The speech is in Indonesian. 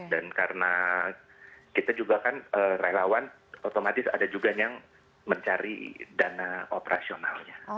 dan karena kita juga kan relawan otomatis ada juga yang mencari dana operasionalnya